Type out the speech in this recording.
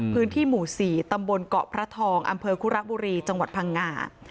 พื้นที่หมู่๔ตำบลเกาะพระทองอำเภอคุระบุรีจังหวัดพังงา